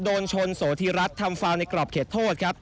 โดนชนโสธีรัฐทำฟาวในกรอบเขตโทษครับ